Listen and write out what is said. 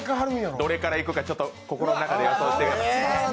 どれからいくか心の中で予想して。